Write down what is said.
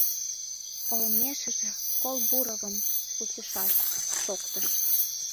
Олмешыже Колбуровым кучышаш... — шоктыш,.